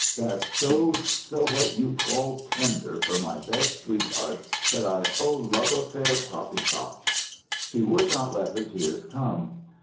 "That's so so what you call 'tender,' for my best sweetheart that I oh, love affair poppycock!" She would not let her tears come.